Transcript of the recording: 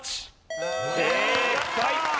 正解！